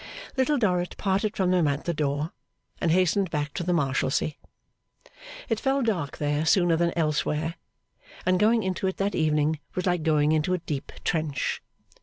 Little Dorrit parted from them at the door, and hastened back to the Marshalsea. It fell dark there sooner than elsewhere, and going into it that evening was like going into a deep trench.